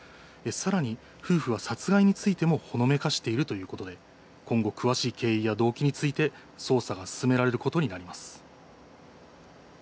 さらに夫婦は殺害についてもほのめかしているということで今後、詳しい経緯や動機について捜査が進められることになります。